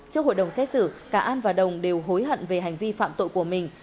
trước hội đồng xét xử cả an và đồng đều hối hận về hành vi phạm tội của mình